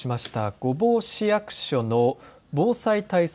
御坊市役所の防災対策